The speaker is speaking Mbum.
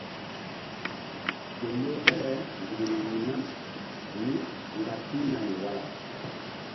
Gel loh dale nzukri rih nam mí mgba pihnari wara.